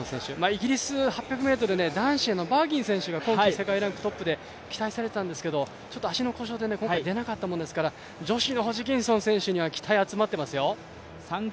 イギリス８００ｍは男子が今季世界ランキングトップで期待されていたんですが、ちょっと足の故障で今回、出なかったもんですから女子のホジキンソン選手には期待集まっています。